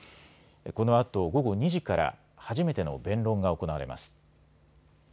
このあと午後２時から初めての弁論が行われます。